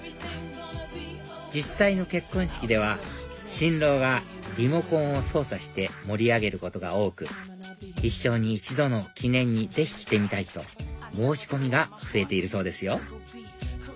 実際の結婚式では新郎がリモコンを操作して盛り上げることが多く一生に一度の記念にぜひ着てみたいと申し込みが増えているそうですよ